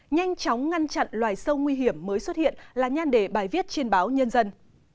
nhanh chóng ngăn chặn loài sâu nguy hiểm mới xuất hiện là nhan đề bài viết trên báo nhân dân